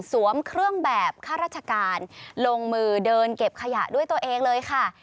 มเครื่องแบบข้าราชการลงมือเดินเก็บขยะด้วยตัวเองเลยค่ะ